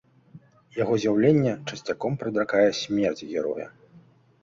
Яго з'яўленне часцяком прадракае смерць героя.